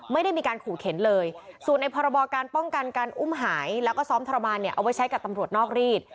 ไม่ได้มีการขู่เข็นเลยส่วนในพรบการป้องกันการอุ้มหายแล้วก็ซ้อมทรมานเนี่ยเอาไว้ใช้กับตำรวจนอกรีด